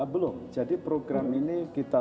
belum jadi program ini kita